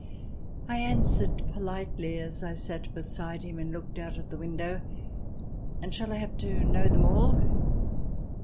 I answered politely, as I sat beside him and looked out of the window :" And shall I have to know them all